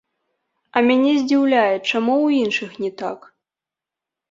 А мяне здзіўляе, чаму ў іншых не так?